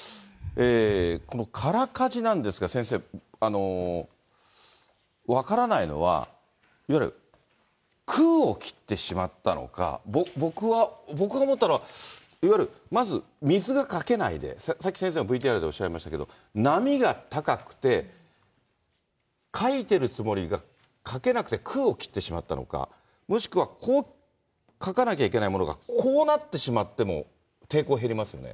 この空かじなんですが、先生、分からないのは、いわゆる空を切ってしまったのか、僕が思ったのは、いわゆるまず、水がかけないで、さっき先生もＶＴＲでおっしゃいましたけど、波が高くて、かいてるつもりがかけなくて空を切ってしまったのか、もしくはこうかかなきゃいけないものがこうなってしまっても抵抗減りますね。